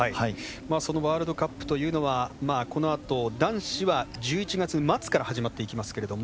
そのワールドカップというのは、このあと男子は１１月末から始まっていきますけれども。